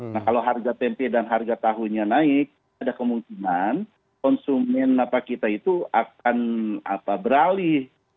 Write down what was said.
nah kalau harga tempe dan harga tahunya naik ada kemungkinan konsumen kita itu akan beralih